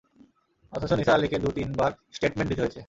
অথচ নিসার আলিকে দুতিন বার স্টেটমেন্ট দিতে হয়েছে।